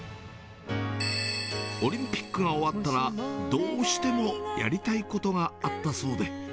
オリンピックが終わったら、どうしてもやりたいことがあったそうで。